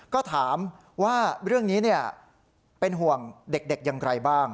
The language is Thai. ก็ถามว่าเรื่องนี้เป็นห่วงเด็กอย่างไรบ้าง